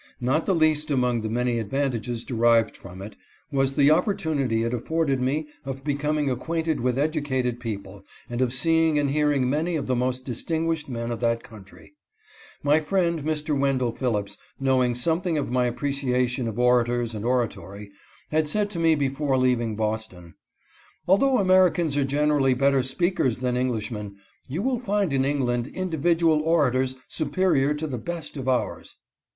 Not the least among the many advantages derived from it was the opportunity it afforded me of becoming acquainted with educated people and of seeing and hearing many of the most distinguished men of that country. My friend Mr. Wendell Phillips, knowing something of my appreciation of orators and oratory, had said to me before leaving 292 COBDEN AND BRIGHT. Boston: "Although Americans are generally better speakers than Englishmen, you will find in England indi vidual orators superior to the best of ours."